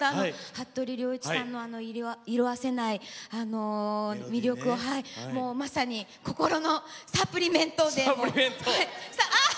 服部良一さんの色あせない魅力をまさに心のサプリメントで！